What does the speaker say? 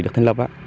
được thiên lập